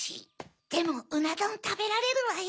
でもうなどんたべられるわよ。